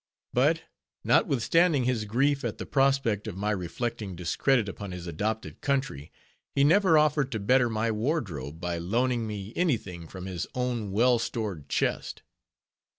But notwithstanding his grief at the prospect of my reflecting discredit upon his adopted country, he never offered to better my wardrobe, by loaning me any thing from his own well stored chest.